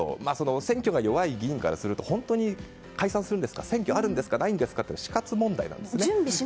選挙が弱い議員からすると本当に解散するんですかというのは選挙あるんですかないんですかと死活問題なんですね。